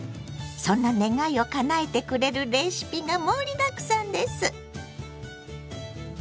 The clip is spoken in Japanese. そんな願いをかなえてくれるレシピが盛りだくさんです！